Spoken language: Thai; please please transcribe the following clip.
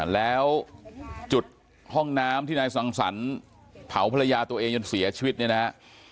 แล้วจุดห้องน้ำที่นายสังสรรค์เผาภรรยาตัวเองจนเสียชีวิตเนี่ยนะฮะ